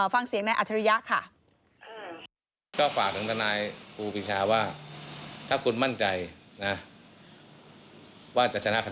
ฟังเสียงในอัธิรยาค่ะ